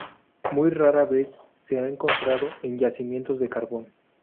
Muy rara vez se ha encontrado en yacimientos de carbón.